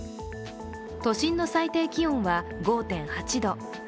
都心の最低気温は５．８度。